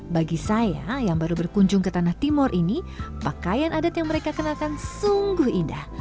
bagi saya yang baru berkunjung ke tanah timur ini pakaian adat yang mereka kenalkan sungguh indah